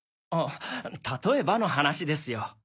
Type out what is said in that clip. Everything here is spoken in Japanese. あたとえばの話ですよ。